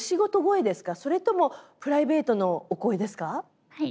それともプライベートのお声ですか？